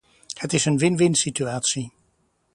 Het is een win-winsituatie.